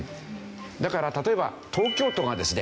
だから例えば東京都がですね